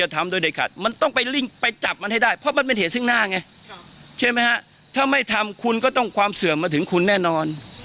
ถ้าไม่ทำคุณก็ต้องความเสื่อมมาถึงคุณแน่นอน